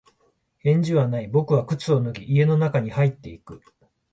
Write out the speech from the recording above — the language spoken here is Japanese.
返事はない。僕は靴を脱ぎ、家の中に入っていく。